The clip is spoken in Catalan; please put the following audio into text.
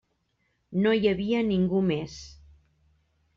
No hi havia ningú més.